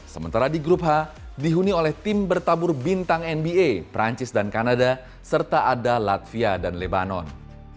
sementara di grup h dihuni oleh tim bertabur bintang nba perancis dan kanada serta ada latvia dan lebanon